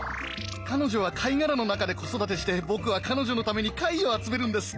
彼女は貝殻の中で子育てしてぼくは彼女のために貝を集めるんです。